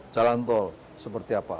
jalan tol seperti apa